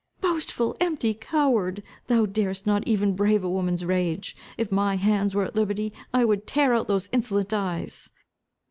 "Boastful, empty coward! Thou darest not even brave a woman's rage. If my hands were at liberty, I would tear out those insolent eyes."